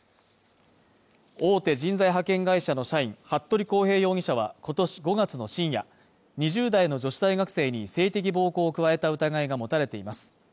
大手人材派遣会社の社員服部康平容疑者は今年５月の深夜、２０代の女子大学生に性的暴行を加えた疑いが持たれています。